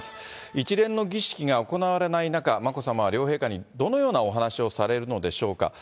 一連の儀式が行われない中、眞子さまは両陛下にどのようなお話しをされるのでしょうか。